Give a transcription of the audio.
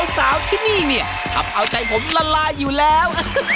สาวที่นี่เนี่ยทำเอาใจผมละลายอยู่แล้ว